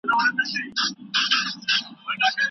لویه جرګه خپل اوږد او ستړی کوونکی کار چېرته پای ته رسوي؟